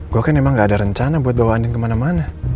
gue kan emang gak ada rencana buat bawaan yang kemana mana